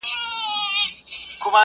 تر څه حده مي په ليکوالۍ کي کار کړی دی.